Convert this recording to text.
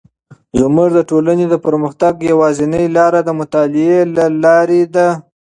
زموږ د ټولنې د پرمختګ یوازینی لاره د مطالعې له لارې ده.